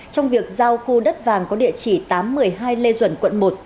trong việc giao khu đất vàng có địa chỉ tám trăm một mươi hai lê duẩn quận một